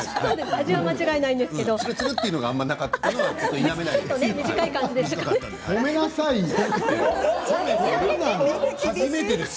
味は間違いないんですけれどもつるつるというのがなかったのは否めないです。